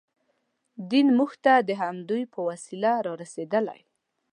دین موږ ته د همدوی په وسیله رارسېدلی.